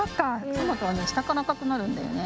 トマトはねしたからあかくなるんだよね。